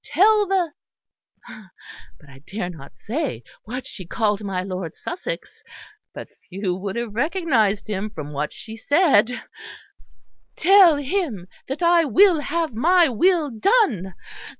Tell the ' (but I dare not say what she called my Lord Sussex, but few would have recognised him from what she said) 'tell him that I will have my will done.